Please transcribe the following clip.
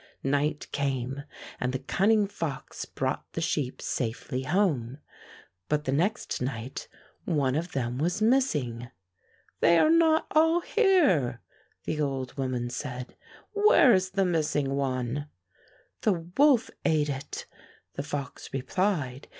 Night came, and the cunning fox brought the sheep safely home, but the next night one of them was missing. "They are not all here," the old woman said. " Where is the missing one.^ " "The wolf ate it," the fox replied.